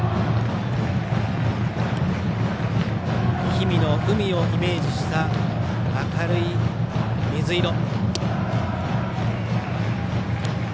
氷見の海をイメージした明るい水色。